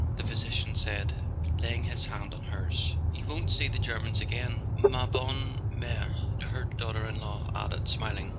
the physician said, laying his hand on hers. "You won't see the Germans again, ma bonne merel " her daughter in law added, smiling.